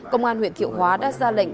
công an huyện thiệu hóa đã ra lệnh